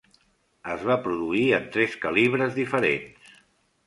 Es va produir en tres calibres diferents.